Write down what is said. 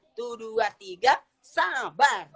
satu dua tiga sabar